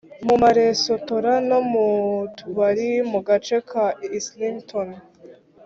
mu maresotora no mu tubari mu gace ka islington